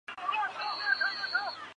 受威胁物种的统称。